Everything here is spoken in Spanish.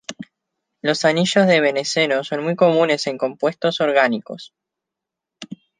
Los anillos de benceno son muy comunes en compuestos orgánicos.